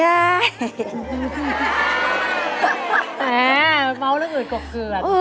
แม้เหม้าละกลุ่นกกเกือบ